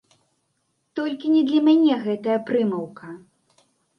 Толькі не для мяне гэтая прымаўка!